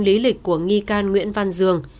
lý lịch của nghi can nguyễn văn dương